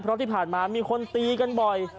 เพราะที่ผ่านมามีคนตีกันบ่อย